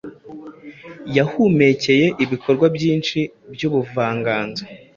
yahumekeye ibikorwa byinshi byubuvanganzo